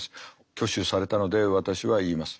挙手されたので私は言います。